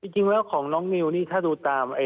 จริงแล้วของน้องนิวนี่ถ้าดูตาม